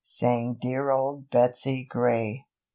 Sang dear Old Betsy Gray.